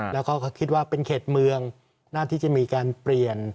แล้วก็คิดว่าเป็นเขตเมืองน่าที่จะมีการเปลี่ยน